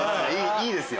いいですよ！